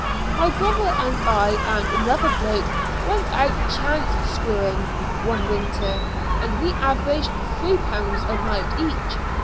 My brother and I and another bloke went out 'chance screwing,' one winter, and we averaged three pounds a night each.